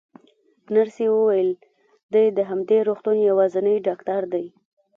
نرسې وویل: دی د همدې روغتون یوازینی ډاکټر دی.